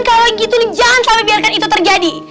kalau gitu jangan sampai biarkan itu terjadi